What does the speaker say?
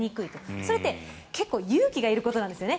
それって結構勇気がいることなんですね。